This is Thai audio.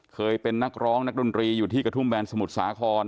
เคยเป็นนักร้องนักดนตรีอยู่ที่กระทุ่มแบนสมุทรสาคร